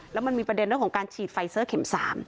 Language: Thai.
แล้วมันมีประเด็นเรื่องของการฉีดไฟเซอร์เข็ม๓